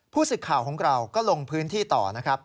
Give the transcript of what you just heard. สึกข่าวของเราก็ลงพื้นที่ต่อนะครับ